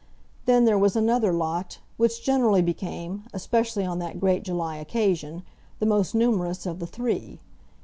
Then there was another lot, which generally became, especially on that great July occasion, the most numerous of the three.